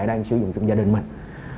đang sử dụng trong gia đình mình